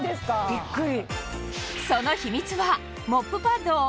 ビックリ。